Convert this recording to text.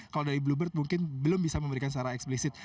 kalau dari bluebird mungkin belum bisa memberikan secara eksplisit